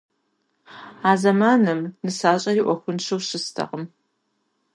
А зэманым нысащӀэри Ӏуэхуншэу щыстэкъым.